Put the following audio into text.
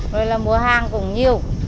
nói là mua hàng cũng nhiều